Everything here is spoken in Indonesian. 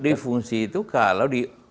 dwi fungsi itu kalau di